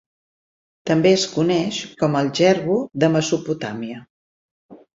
També es coneix com el jerbu de Mesopotàmia.